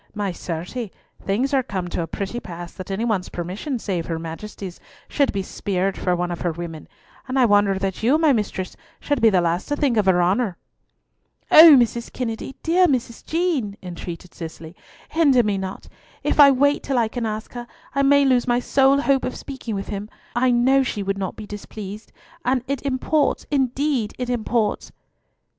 "My certie, things are come to a pretty pass that any one's permission save her Majesty's should be speired for one of her women, and I wonder that you, my mistress, should be the last to think of her honour!" "O Mrs. Kennedy, dear Mrs. Jean," entreated Cicely, "hinder me not. If I wait till I can ask her, I may lose my sole hope of speaking with him. I know she would not be displeased, and it imports, indeed it imports."